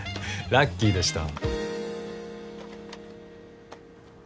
ラッキーでした。